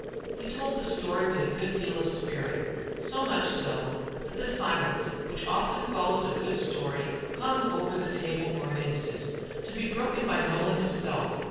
He told the story with a good deal of spirit, so much so, that the silence which often follows a good story hung over the table for an instant, to be broken by Nolan himself.